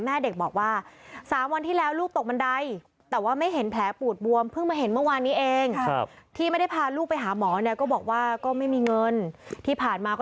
แม่เด็กบอกว่า๓วันที่แล้วลูกเตากกบันไดแต่ไม่เห็นแผลปูดบวมเพิ่งมะเห็นเมื่อวานนี้เอง